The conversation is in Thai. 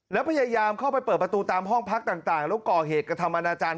แล้วพยายามเข้าไปเปิดประตูตามห้องพักต่างแล้วก่อเหตุกระทำอนาจารย